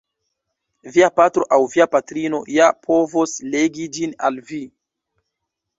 Via patro aŭ via patrino ja povos legi ĝin al vi.